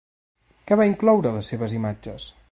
Què va incloure a les seves imatges?